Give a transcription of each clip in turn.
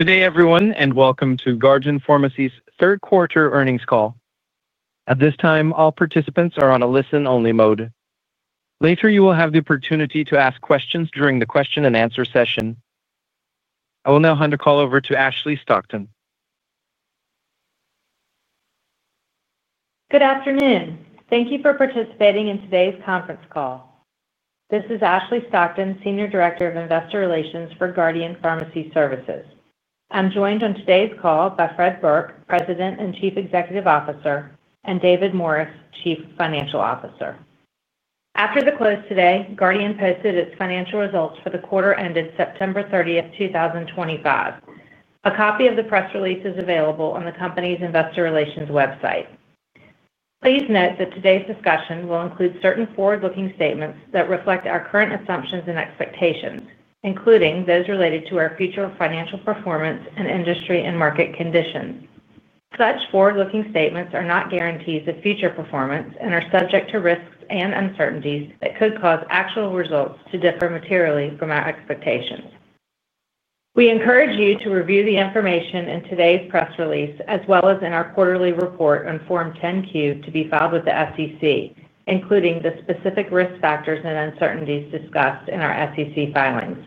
Good day, everyone, and welcome to Guardian Pharmacy Services' third quarter earnings call. At this time, all participants are on a listen-only mode. Later, you will have the opportunity to ask questions during the question-and-answer session. I will now hand the call over to Ashley Stockton. Good afternoon. Thank you for participating in today's conference call. This is Ashley Stockton, Senior Director of Investor Relations for Guardian Pharmacy Services. I'm joined on today's call by Fred Burke, President and Chief Executive Officer, and David Morris, Chief Financial Officer. After the close today, Guardian posted its financial results for the quarter ended September 30th, 2025. A copy of the press release is available on the company's Investor Relations website. Please note that today's discussion will include certain forward-looking statements that reflect our current assumptions and expectations, including those related to our future financial performance and industry and market conditions. Such forward-looking statements are not guarantees of future performance and are subject to risks and uncertainties that could cause actual results to differ materially from our expectations. We encourage you to review the information in today's press release, as well as in our quarterly report on Form 10-Q to be filed with the SEC, including the specific risk factors and uncertainties discussed in our SEC filings.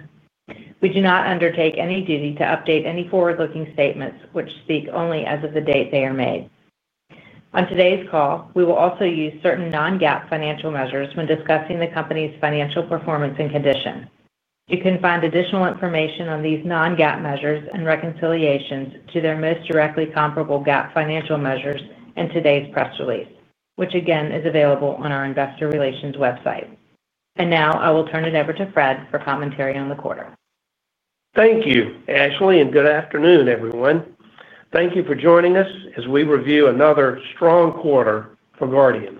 We do not undertake any duty to update any forward-looking statements, which speak only as of the date they are made. On today's call, we will also use certain non-GAAP financial measures when discussing the company's financial performance and condition. You can find additional information on these non-GAAP measures and reconciliations to their most directly comparable GAAP financial measures in today's press release, which again is available on our Investor Relations website. I will turn it over to Fred for commentary on the quarter. Thank you, Ashley, and good afternoon, everyone. Thank you for joining us as we review another strong quarter for Guardian.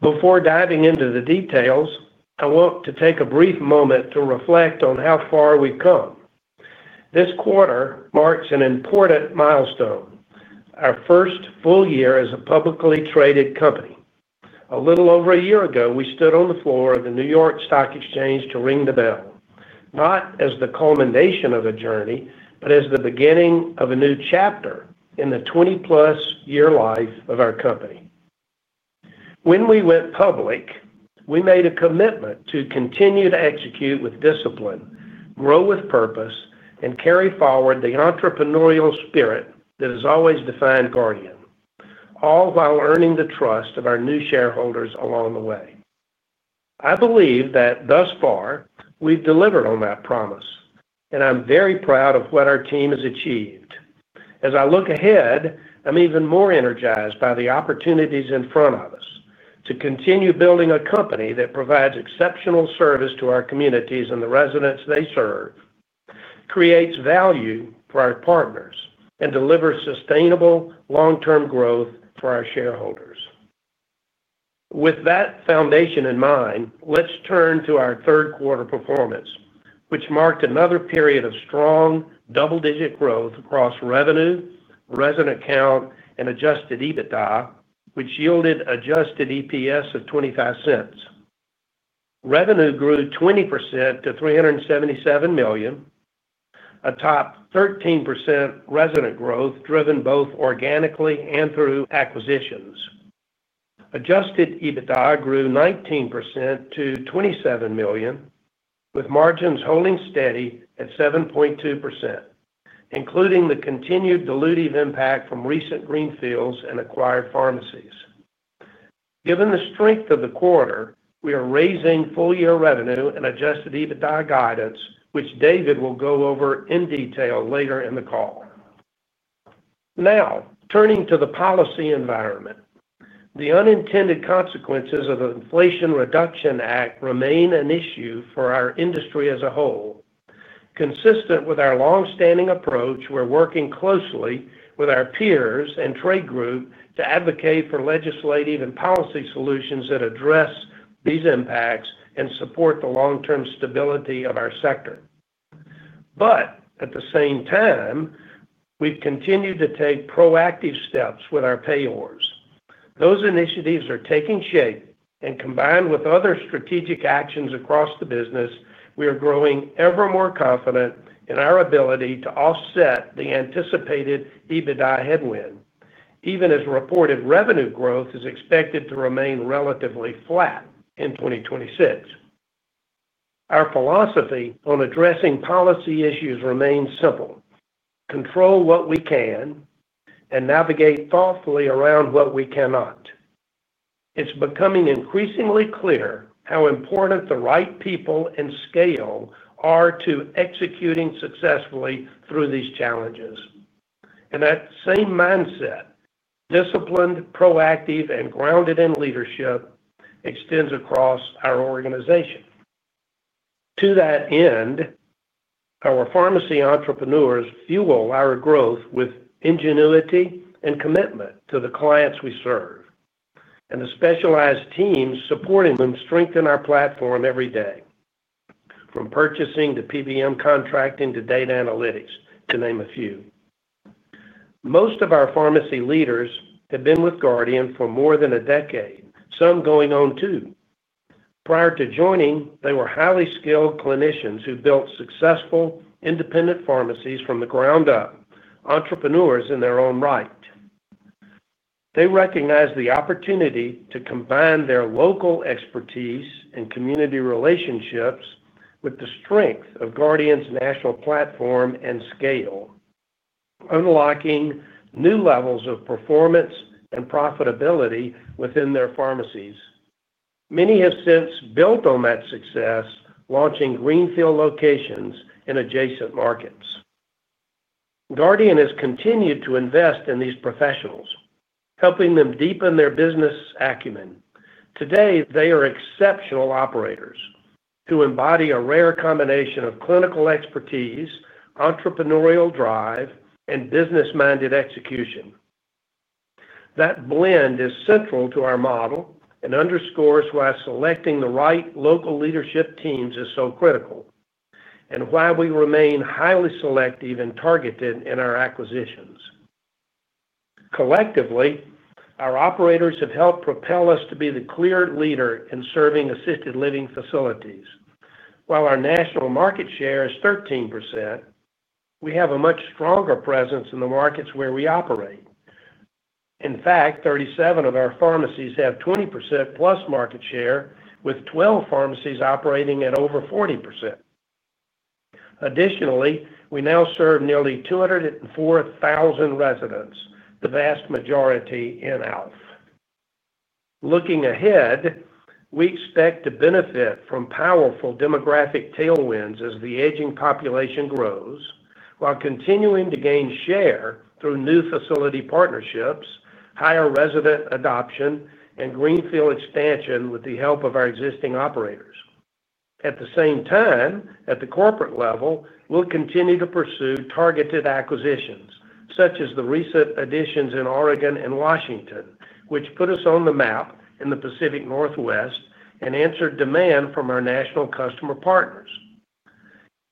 Before diving into the details, I want to take a brief moment to reflect on how far we've come. This quarter marks an important milestone, our first full year as a publicly traded company. A little over a year ago, we stood on the floor of the New York Stock Exchange to ring the bell, not as the culmination of a journey, but as the beginning of a new chapter in the 20-plus year life of our company. When we went public, we made a commitment to continue to execute with discipline, grow with purpose, and carry forward the entrepreneurial spirit that has always defined Guardian, all while earning the trust of our new shareholders along the way. I believe that thus far we've delivered on that promise, and I'm very proud of what our team has achieved. As I look ahead, I'm even more energized by the opportunities in front of us to continue building a company that provides exceptional service to our communities and the residents they serve, creates value for our partners, and delivers sustainable long-term growth for our shareholders. With that foundation in mind, let's turn to our third quarter performance, which marked another period of strong double-digit growth across revenue, resident count, and adjusted EBITDA, which yielded adjusted EPS of $0.25. Revenue grew 20% to $377 million, atop 13% resident growth driven both organically and through acquisitions. Adjusted EBITDA grew 19% to $27 million, with margins holding steady at 7.2%, including the continued dilutive impact from recent greenfields and acquired pharmacies. Given the strength of the quarter, we are raising full-year revenue and adjusted EBITDA guidance, which David will go over in detail later in the call. Now, turning to the policy environment, the unintended consequences of the Inflation Reduction Act remain an issue for our industry as a whole. Consistent with our longstanding approach, we're working closely with our peers and trade group to advocate for legislative and policy solutions that address these impacts and support the long-term stability of our sector. At the same time, we've continued to take proactive steps with our payors. Those initiatives are taking shape, and combined with other strategic actions across the business, we are growing ever more confident in our ability to offset the anticipated EBITDA headwind, even as reported revenue growth is expected to remain relatively flat in 2026. Our philosophy on addressing policy issues remains simple: control what we can and navigate thoughtfully around what we cannot. It is becoming increasingly clear how important the right people and scale are to executing successfully through these challenges. That same mindset, disciplined, proactive, and grounded in leadership, extends across our organization. To that end, our pharmacy entrepreneurs fuel our growth with ingenuity and commitment to the clients we serve, and the specialized teams supporting them strengthen our platform every day, from purchasing to PBM contracting to data analytics, to name a few. Most of our pharmacy leaders have been with Guardian for more than a decade, some going on two. Prior to joining, they were highly skilled clinicians who built successful independent pharmacies from the ground up, entrepreneurs in their own right. They recognized the opportunity to combine their local expertise and community relationships with the strength of Guardian's national platform and scale, unlocking new levels of performance and profitability within their pharmacies. Many have since built on that success, launching greenfield locations in adjacent markets. Guardian has continued to invest in these professionals, helping them deepen their business acumen. Today, they are exceptional operators who embody a rare combination of clinical expertise, entrepreneurial drive, and business-minded execution. That blend is central to our model and underscores why selecting the right local leadership teams is so critical and why we remain highly selective and targeted in our acquisitions. Collectively, our operators have helped propel us to be the clear leader in serving assisted living facilities. While our national market share is 13%, we have a much stronger presence in the markets where we operate. In fact, 37 of our pharmacies have 20%+ market share, with 12 pharmacies operating at over 40%. Additionally, we now serve nearly 204,000 residents, the vast majority in-house. Looking ahead, we expect to benefit from powerful demographic tailwinds as the aging population grows, while continuing to gain share through new facility partnerships, higher resident adoption, and greenfield expansion with the help of our existing operators. At the same time, at the corporate level, we'll continue to pursue targeted acquisitions, such as the recent additions in Oregon and Washington, which put us on the map in the Pacific Northwest and answered demand from our national customer partners.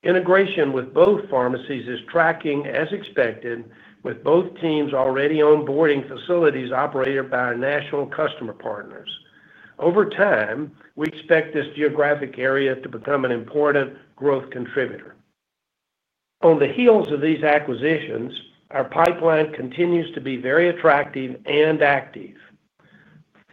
Integration with both pharmacies is tracking as expected, with both teams already onboarding facilities operated by our national customer partners. Over time, we expect this geographic area to become an important growth contributor. On the heels of these acquisitions, our pipeline continues to be very attractive and active.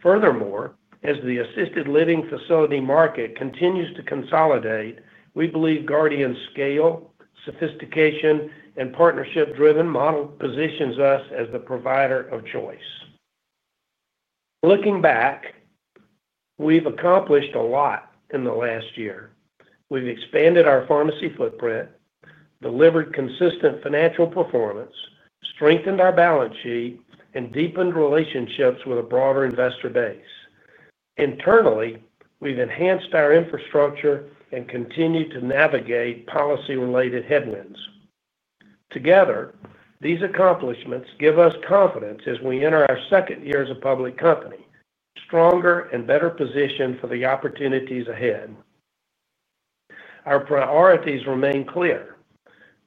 Furthermore, as the assisted living facility market continues to consolidate, we believe Guardian's scale, sophistication, and partnership-driven model positions us as the provider of choice. Looking back, we've accomplished a lot in the last year. We've expanded our pharmacy footprint, delivered consistent financial performance, strengthened our balance sheet, and deepened relationships with a broader investor base. Internally, we've enhanced our infrastructure and continued to navigate policy-related headwinds. Together, these accomplishments give us confidence as we enter our second year as a public company, stronger and better positioned for the opportunities ahead. Our priorities remain clear: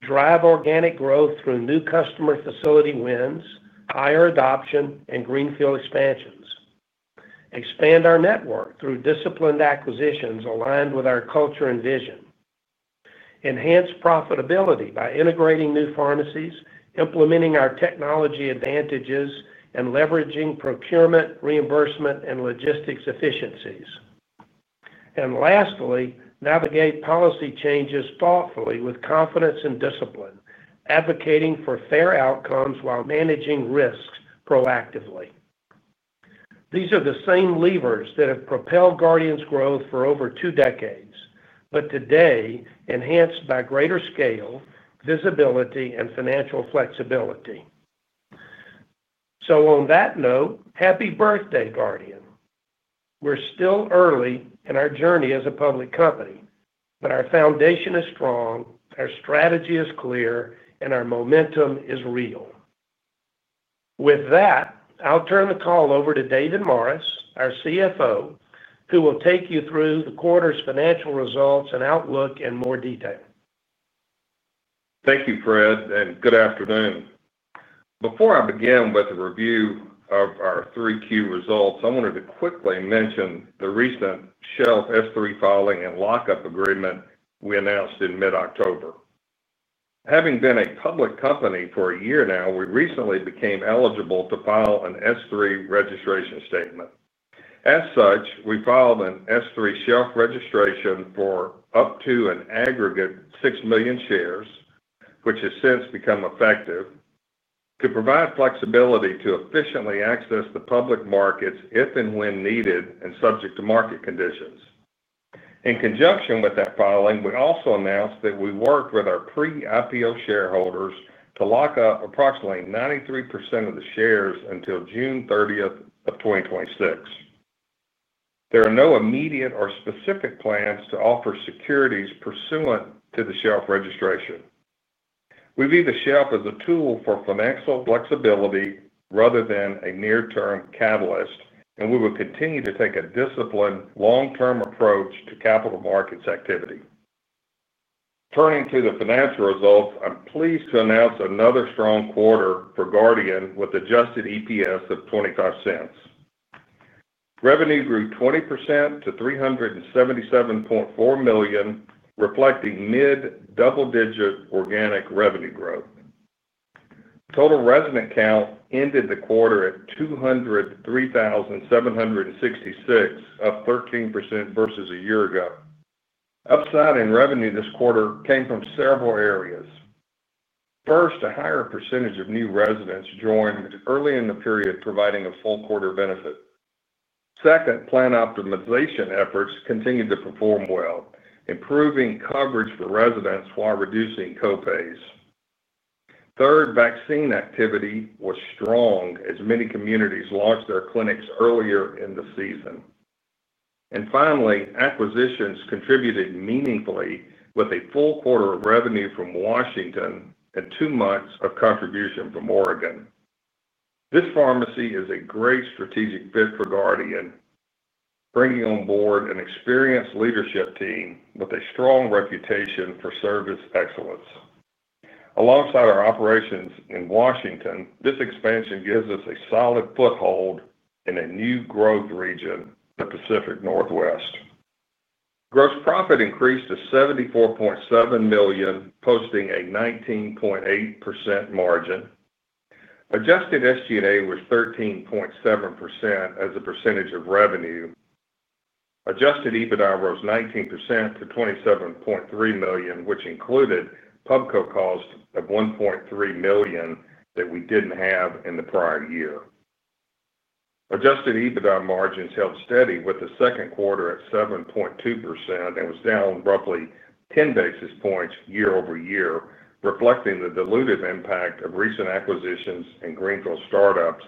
drive organic growth through new customer facility wins, higher adoption, and greenfield expansions. Expand our network through disciplined acquisitions aligned with our culture and vision. Enhance profitability by integrating new pharmacies, implementing our technology advantages, and leveraging procurement, reimbursement, and logistics efficiencies. Lastly, navigate policy changes thoughtfully with confidence and discipline, advocating for fair outcomes while managing risks proactively. These are the same levers that have propelled Guardian's growth for over two decades, but today, enhanced by greater scale, visibility, and financial flexibility. On that note, happy birthday, Guardian. We're still early in our journey as a public company, but our foundation is strong, our strategy is clear, and our momentum is real. With that, I'll turn the call over to David Morris, our CFO, who will take you through the quarter's financial results and outlook in more detail. Thank you, Fred, and good afternoon. Before I begin with the review of our 3Q results, I wanted to quickly mention the recent shelf S-3 filing and lockup agreement we announced in mid-October. Having been a public company for a year now, we recently became eligible to file an S-3 registration statement. As such, we filed an S-3 shelf registration for up to an aggregate 6 million shares, which has since become effective, to provide flexibility to efficiently access the public markets if and when needed and subject to market conditions. In conjunction with that filing, we also announced that we worked with our pre-IPO shareholders to lock up approximately 93% of the shares until June 30 of 2026. There are no immediate or specific plans to offer securities pursuant to the shelf registration. We view the shelf as a tool for financial flexibility rather than a near-term catalyst, and we will continue to take a disciplined long-term approach to capital markets activity. Turning to the financial results, I'm pleased to announce another strong quarter for Guardian with adjusted EPS of $0.25. Revenue grew 20% to $377.4 million, reflecting mid-double-digit organic revenue growth. Total resident count ended the quarter at 203,766, up 13% versus a year ago. Upside in revenue this quarter came from several areas. First, a higher percentage of new residents joined early in the period, providing a full quarter benefit. Second, plan optimization efforts continued to perform well, improving coverage for residents while reducing co-pays. Third, vaccine activity was strong as many communities launched their clinics earlier in the season. Finally, acquisitions contributed meaningfully with a full quarter of revenue from Washington and two months of contribution from Oregon. This pharmacy is a great strategic fit for Guardian, bringing on board an experienced leadership team with a strong reputation for service excellence. Alongside our operations in Washington, this expansion gives us a solid foothold in a new growth region, the Pacific Northwest. Gross profit increased to $74.7 million, posting a 19.8% margin. Adjusted SG&A was 13.7% as a percentage of revenue. Adjusted EBITDA rose 19% to $27.3 million, which included PubCo cost of $1.3 million that we did not have in the prior year. Adjusted EBITDA margins held steady with the second quarter at 7.2% and was down roughly 10 basis points year over year, reflecting the dilutive impact of recent acquisitions and greenfield startups,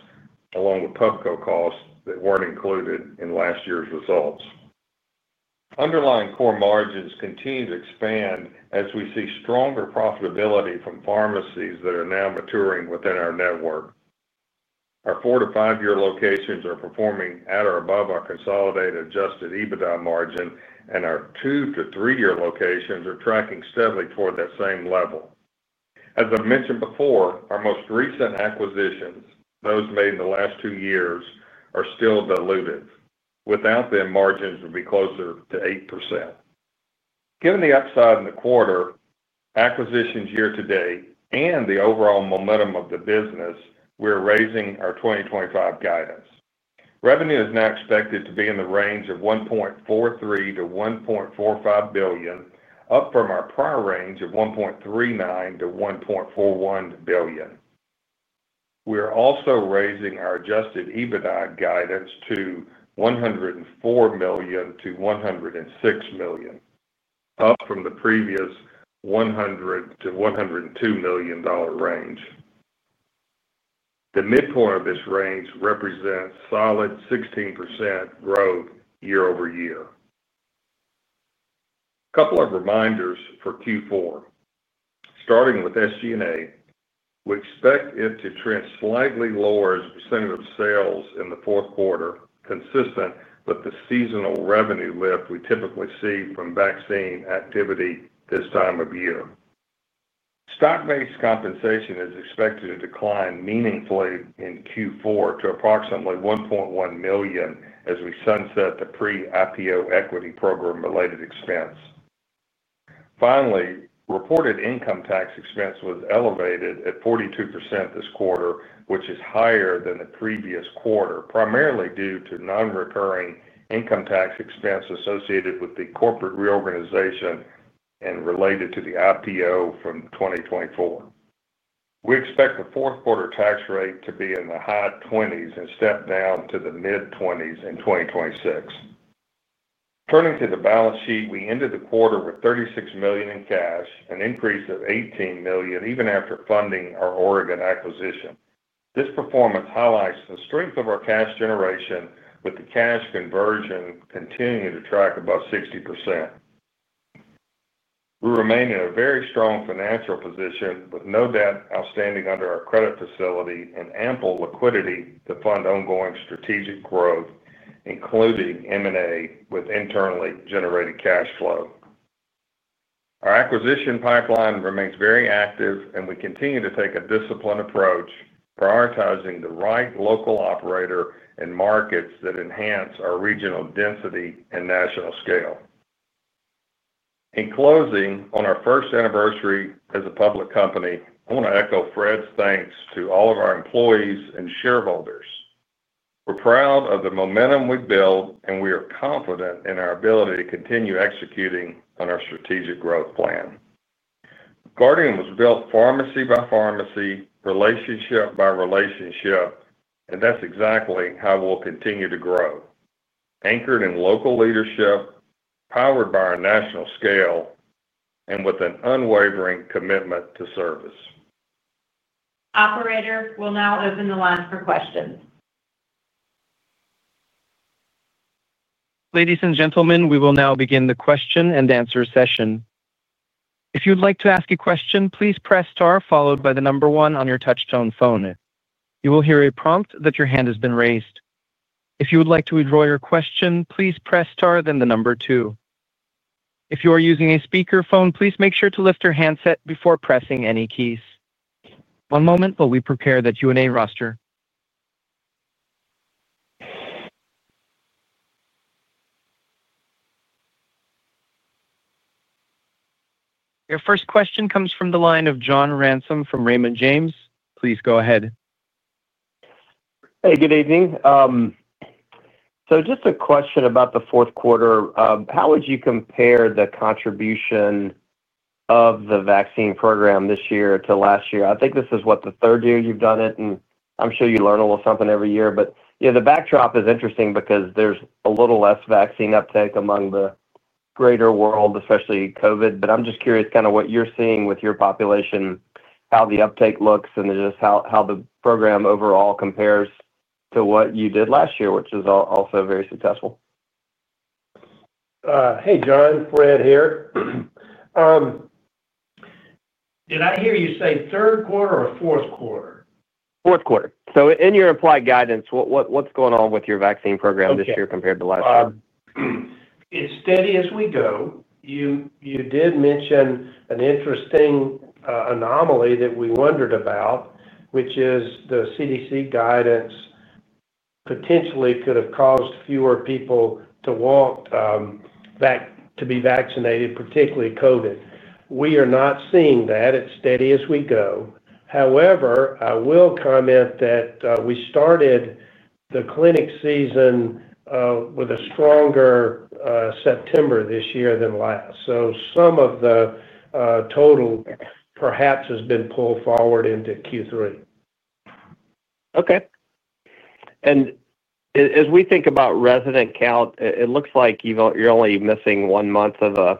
along with PubCo costs that were not included in last year's results. Underlying core margins continue to expand as we see stronger profitability from pharmacies that are now maturing within our network. Our four- to five-year locations are performing at or above our consolidated adjusted EBITDA margin, and our two- to three-year locations are tracking steadily toward that same level. As I have mentioned before, our most recent acquisitions, those made in the last two years, are still dilutive. Without them, margins would be closer to 8%. Given the upside in the quarter, acquisitions year to date, and the overall momentum of the business, we're raising our 2025 guidance. Revenue is now expected to be in the range of $1.43 billion-$1.45 billion, up from our prior range of $1.39 billion-$1.41 billion. We're also raising our adjusted EBITDA guidance to $104 million-$106 million, up from the previous $100 million-$102 million range. The midpoint of this range represents solid 16% growth year over year. A couple of reminders for Q4. Starting with SG&A, we expect it to trend slightly lower as a percentage of sales in the fourth quarter, consistent with the seasonal revenue lift we typically see from vaccine activity this time of year. Stock-based compensation is expected to decline meaningfully in Q4 to approximately $1.1 million as we sunset the pre-IPO equity program-related expense. Finally, reported income tax expense was elevated at 42% this quarter, which is higher than the previous quarter, primarily due to non-recurring income tax expense associated with the corporate reorganization and related to the IPO from 2024. We expect the fourth quarter tax rate to be in the high 20s and step down to the mid-20s in 2026. Turning to the balance sheet, we ended the quarter with $36 million in cash, an increase of $18 million even after funding our Oregon acquisition. This performance highlights the strength of our cash generation, with the cash conversion continuing to track above 60%. We remain in a very strong financial position, with no debt outstanding under our credit facility and ample liquidity to fund ongoing strategic growth, including M&A with internally generated cash flow. Our acquisition pipeline remains very active, and we continue to take a disciplined approach, prioritizing the right local operator and markets that enhance our regional density and national scale. In closing, on our first anniversary as a public company, I want to echo Fred's thanks to all of our employees and shareholders. We're proud of the momentum we've built, and we are confident in our ability to continue executing on our strategic growth plan. Guardian was built pharmacy by pharmacy, relationship by relationship, and that's exactly how we'll continue to grow, anchored in local leadership, powered by our national scale, and with an unwavering commitment to service. Operator will now open the line for questions. Ladies and gentlemen, we will now begin the question and answer session. If you'd like to ask a question, please press star followed by the number one on your touch-tone phone. You will hear a prompt that your hand has been raised. If you would like to withdraw your question, please press star then the number two. If you are using a speakerphone, please make sure to lift your handset before pressing any keys. One moment while we prepare that Q&A roster. Your first question comes from the line of John Ransom from Raymond James. Please go ahead. Hey, good evening. Just a question about the fourth quarter. How would you compare the contribution of the vaccine program this year to last year? I think this is what, the third year you've done it, and I'm sure you learn a little something every year. The backdrop is interesting because there's a little less vaccine uptake among the greater world, especially COVID. I'm just curious kind of what you're seeing with your population, how the uptake looks, and just how the program overall compares to what you did last year, which is also very successful. Hey, John, Fred here. Did I hear you say third quarter or fourth quarter? Fourth quarter. In your applied guidance, what's going on with your vaccine program this year compared to last year? It's steady as we go. You did mention an interesting anomaly that we wondered about, which is the CDC guidance potentially could have caused fewer people to be vaccinated, particularly COVID. We are not seeing that. It's steady as we go. However, I will comment that we started the clinic season with a stronger September this year than last. So some of the total perhaps has been pulled forward into Q3. Okay. As we think about resident count, it looks like you're only missing one month of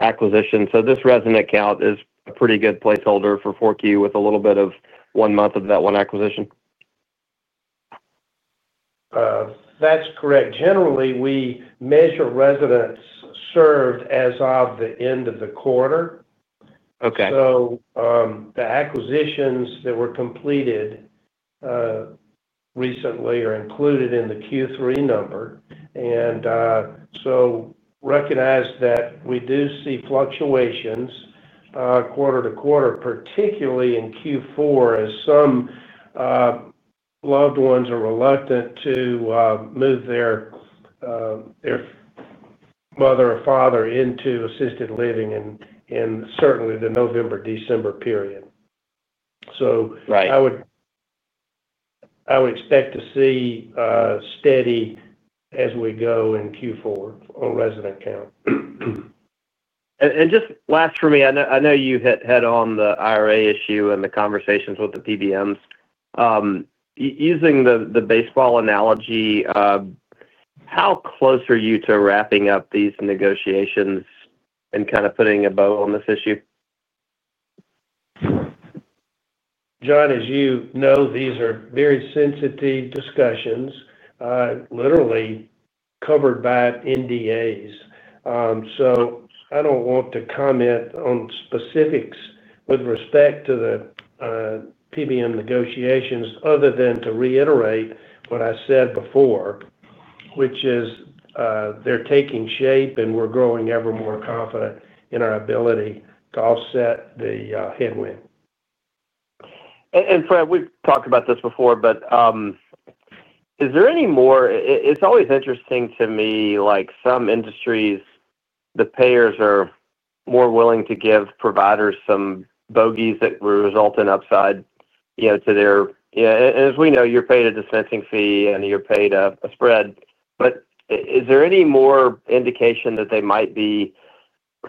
acquisition. This resident count is a pretty good placeholder for 4Q with a little bit of one month of that one acquisition. That's correct. Generally, we measure residents served as of the end of the quarter. The acquisitions that were completed recently are included in the Q3 number. Recognize that we do see fluctuations quarter to quarter, particularly in Q4, as some loved ones are reluctant to move their mother or father into assisted living in certainly the November, December period. I would expect to see steady as we go in Q4 on resident count. Just last for me, I know you hit head-on the IRA issue and the conversations with the PBMs. Using the baseball analogy, how close are you to wrapping up these negotiations and kind of putting a bow on this issue? John, as you know, these are very sensitive discussions, literally covered by NDAs. I do not want to comment on specifics with respect to the PBM negotiations other than to reiterate what I said before, which is they're taking shape, and we're growing ever more confident in our ability to offset the headwind. Fred, we've talked about this before, but is there any more? It's always interesting to me, like some industries, the payers are more willing to give providers some bogeys that result in upside to their—and as we know, you're paid a dispensing fee and you're paid a spread. Is there any more indication that they might be,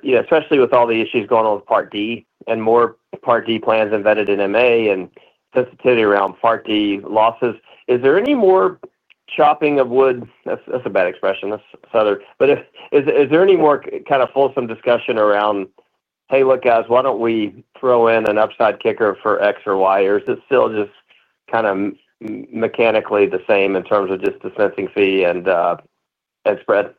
especially with all the issues going on with Part D and more Part D plans embedded in MA and sensitivity around Part D losses? Is there any more chopping of wood? That's a bad expression. Is there any more kind of fulsome discussion around, "Hey, look, guys, why don't we throw in an upside kicker for X or Y?" Or is it still just kind of mechanically the same in terms of just dispensing fee and spread?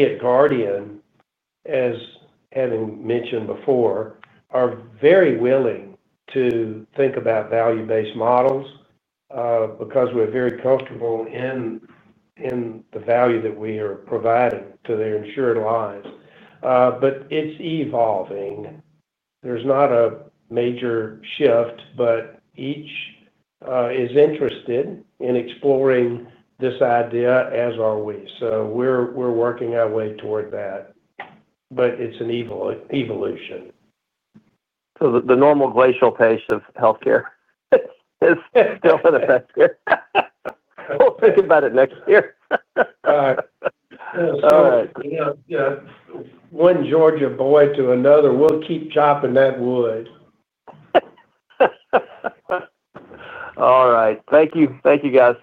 At Guardian, as having mentioned before, we are very willing to think about value-based models because we are very comfortable in the value that we are providing to their insured lives. It is evolving. There is not a major shift, but each is interested in exploring this idea, as are we. We are working our way toward that, but it is an evolution. The normal glacial pace of healthcare is still going to affect here. We'll think about it next year. All right. All right. One Georgia boy to another, we'll keep chopping that wood. All right. Thank you. Thank you, guys.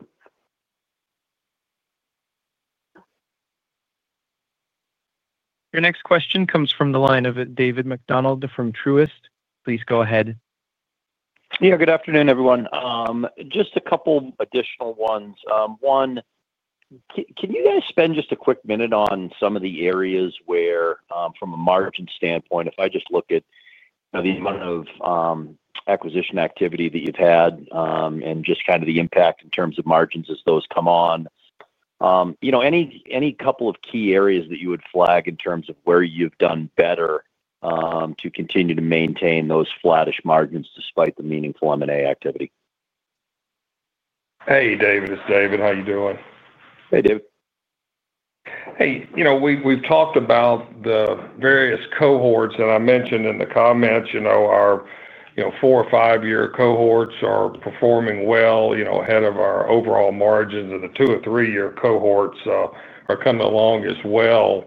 Your next question comes from the line of David MacDonald from Truist. Please go ahead. Yeah, good afternoon, everyone. Just a couple additional ones. One, can you guys spend just a quick minute on some of the areas where, from a margin standpoint, if I just look at the amount of acquisition activity that you've had and just kind of the impact in terms of margins as those come on, any couple of key areas that you would flag in terms of where you've done better to continue to maintain those flattish margins despite the meaningful M&A activity? Hey, David. It's David. How are you doing? Hey, David. Hey, we've talked about the various cohorts, and I mentioned in the comments our four or five-year cohorts are performing well ahead of our overall margins, and the two or three-year cohorts are coming along as well.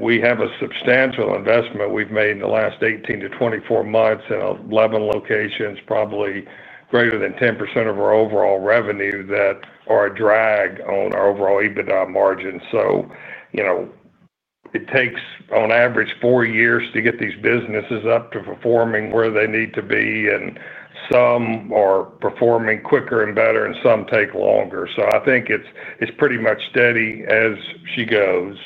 We have a substantial investment we've made in the last 18 months-24 months in 11 locations, probably greater than 10% of our overall revenue that are a drag on our overall EBITDA margin. It takes, on average, four years to get these businesses up to performing where they need to be, and some are performing quicker and better, and some take longer. I think it's pretty much steady as she goes,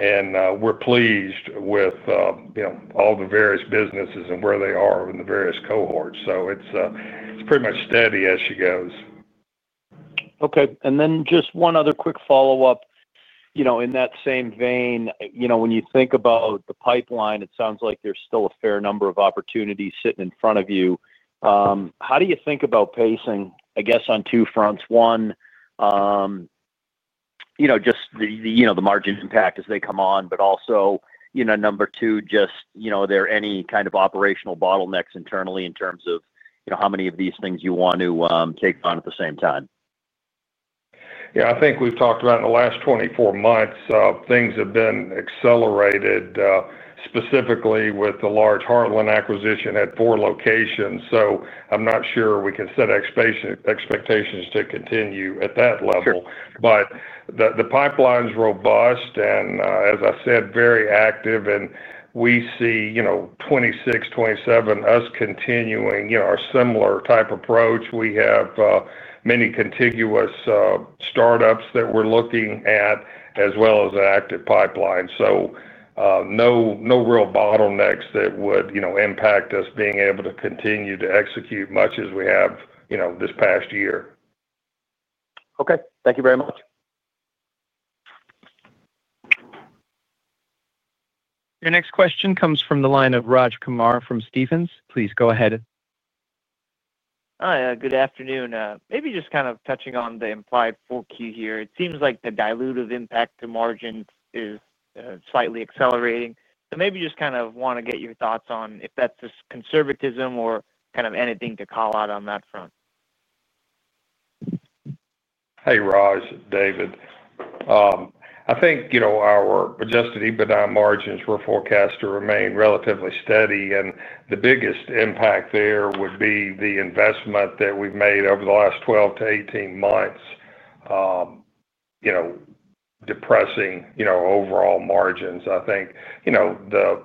and we're pleased with all the various businesses and where they are in the various cohorts. It's pretty much steady as she goes. Okay. And then just one other quick follow-up. In that same vein, when you think about the pipeline, it sounds like there's still a fair number of opportunities sitting in front of you. How do you think about pacing, I guess, on two fronts? One, just the margin impact as they come on, but also, number two, just are there any kind of operational bottlenecks internally in terms of how many of these things you want to take on at the same time? Yeah, I think we've talked about in the last 24 months, things have been accelerated, specifically with the large Heartland acquisition at four locations. I'm not sure we can set expectations to continue at that level. The pipeline's robust, and as I said, very active. We see 2026, 2027 of us continuing our similar type approach. We have many contiguous startups that we're looking at as well as an active pipeline. No real bottlenecks that would impact us being able to continue to execute much as we have this past year. Okay. Thank you very much. Your next question comes from the line of Raj Kumar from Stephens. Please go ahead. Hi, good afternoon. Maybe just kind of touching on the implied 4Q here. It seems like the dilutive impact to margins is slightly accelerating. Maybe just kind of want to get your thoughts on if that's just conservatism or kind of anything to call out on that front. Hey, Raj, David. I think our adjusted EBITDA margins were forecast to remain relatively steady, and the biggest impact there would be the investment that we've made over the last 12 months-8 months depressing overall margins. I think the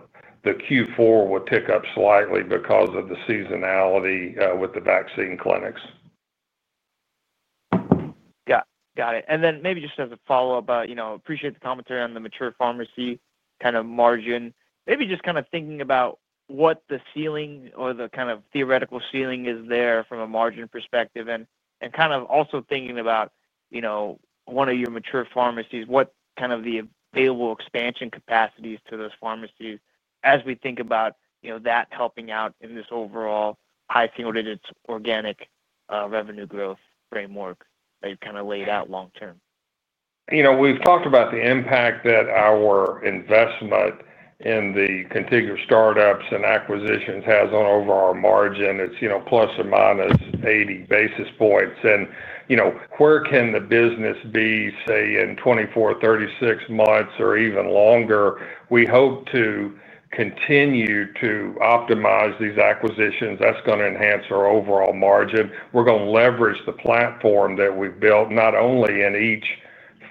Q4 would tick up slightly because of the seasonality with the vaccine clinics. Got it. Maybe just as a follow-up, appreciate the commentary on the mature pharmacy kind of margin. Maybe just kind of thinking about what the ceiling or the kind of theoretical ceiling is there from a margin perspective, and kind of also thinking about one of your mature pharmacies, what kind of the available expansion capacities to those pharmacies as we think about that helping out in this overall high single-digit organic revenue growth framework that you've kind of laid out long-term. We've talked about the impact that our investment in the contiguous startups and acquisitions has on overall margin. It's ±80 basis points. Where can the business be, say, in 24, 36 months, or even longer? We hope to continue to optimize these acquisitions. That's going to enhance our overall margin. We're going to leverage the platform that we've built, not only in each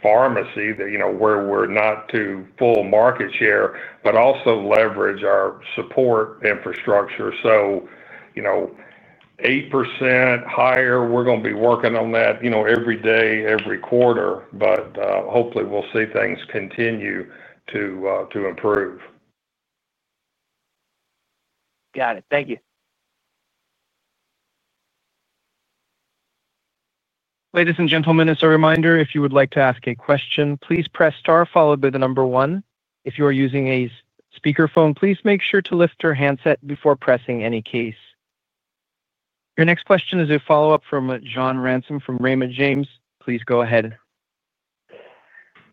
pharmacy where we're not to full market share, but also leverage our support infrastructure. 8% higher, we're going to be working on that every day, every quarter, but hopefully we'll see things continue to improve. Got it. Thank you. Ladies and gentlemen, as a reminder, if you would like to ask a question, please press star followed by the number one. If you are using a speakerphone, please make sure to lift your handset before pressing any keys. Your next question is a follow-up from John Ransom from Raymond James. Please go ahead.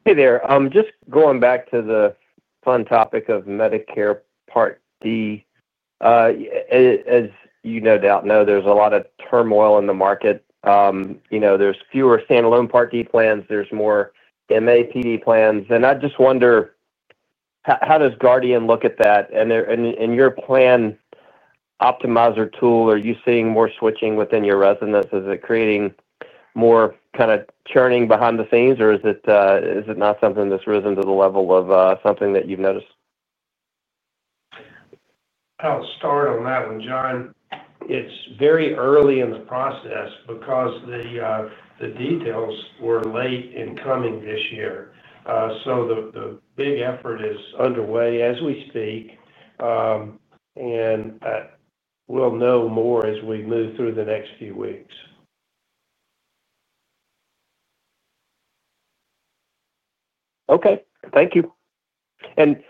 Hey there. Just going back to the fun topic of Medicare Part D, as you no doubt know, there's a lot of turmoil in the market. There's fewer standalone Part D plans. There's more MAPD plans. I just wonder, how does Guardian look at that? In your plan optimizer tool, are you seeing more switching within your residents? Is it creating more kind of churning behind the scenes, or is it not something that's risen to the level of something that you've noticed? I'll start on that one, John. It's very early in the process because the details were late in coming this year. So the big effort is underway as we speak, and we'll know more as we move through the next few weeks. Okay. Thank you. And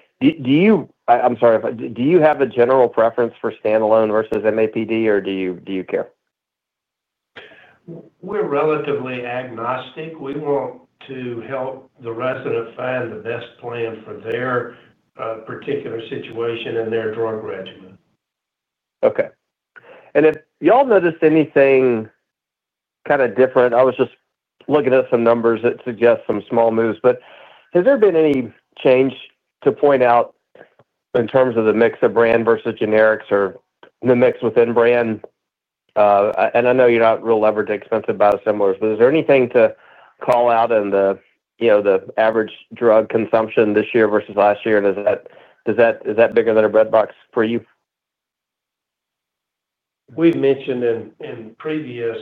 I'm sorry, do you have a general preference for standalone versus MAPD, or do you care? We're relatively agnostic. We want to help the resident find the best plan for their particular situation and their drug regimen. Okay. And have y'all noticed anything kind of different? I was just looking at some numbers that suggest some small moves. But has there been any change to point out in terms of the mix of brand versus generics or the mix within brand? And I know you're not real leveraged expensive biosimilars, but is there anything to call out in the average drug consumption this year versus last year? And is that bigger than a breadbox for you? We've mentioned in previous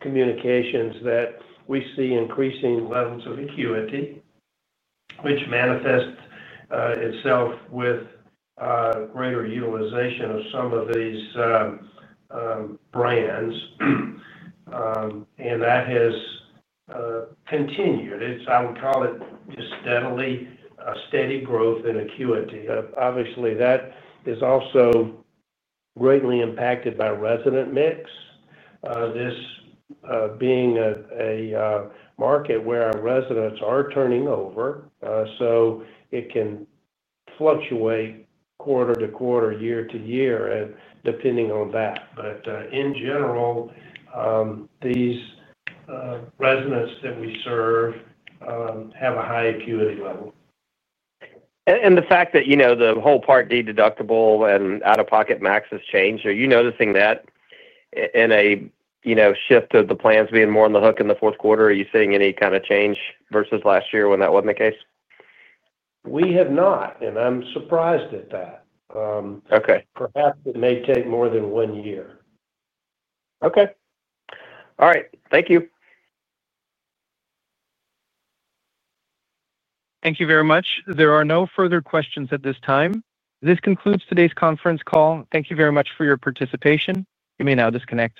communications that we see increasing levels of acuity, which manifests itself with greater utilization of some of these brands. That has continued. I would call it just steadily a steady growth in acuity. Obviously, that is also greatly impacted by resident mix, this being a market where our residents are turning over. It can fluctuate quarter to quarter, year to year, depending on that. In general, these residents that we serve have a high acuity level. And the fact that the whole Part D deductible and out-of-pocket max has changed, are you noticing that in a shift of the plans being more in the hook in the fourth quarter? Are you seeing any kind of change versus last year when that wasn't the case? We have not, and I'm surprised at that. Perhaps it may take more than one year. Okay. All right. Thank you. Thank you very much. There are no further questions at this time. This concludes today's conference call. Thank you very much for your participation. You may now disconnect.